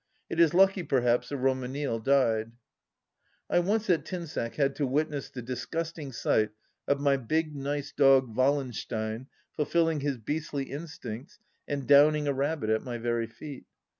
It is lucky perhaps that RomanUle died. I once at Tinsack had to witness the disgusting sight of my big nice dog Wallenstein fulfilling his beastly instincts and downing a rabbit at my very feet.